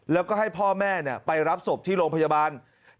แล้วก็ให้พ่อแม่ไปรับศพที่โรงพยาบาล